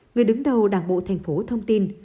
người đứng đầu đảng bộ thành phố thông tin